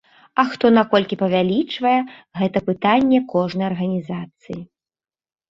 А хто на колькі павялічвае, гэта пытанне кожнай арганізацыі.